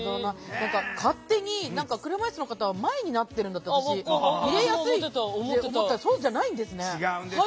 勝手に、車いすの方は前になっているんだと見えやすいと思ったらそうじゃないんですね。